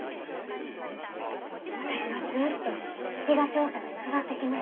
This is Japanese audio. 私はずっと東大阪で育ってきました。